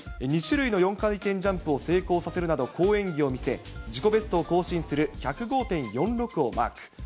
２種類の４回転ジャンプを成功させるなど、好演技を見せ、自己ベストを更新する、１０５．４６をマーク。